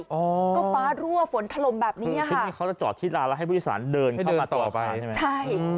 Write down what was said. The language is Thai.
ก็ฟ้ารั่วฝนถลมแบบนี้ค่ะคือที่นี่เขาจะจอดที่ราวะให้ผู้โดยสารเดินเข้ามาต่อไปใช่ไหม